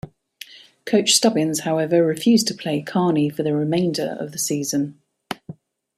Coach Stubbins however refused to play Carney for the remainder of the season.